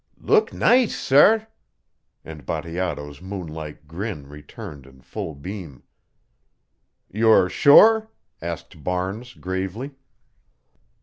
"Look nice, sair," and Bateato's moon like grin returned in full beam. "You're sure?" asked Barnes, gravely.